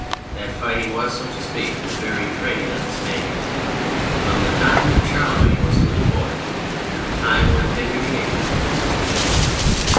That fighting was, so to speak, the very trade of the Spaniards, from the time when Charlemagne was a little boy to the time when Henry VIII was a little boy.